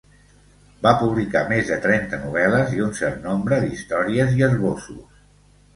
Va publicar més de trenta novel·les i un cert nombre d'històries i esbossos.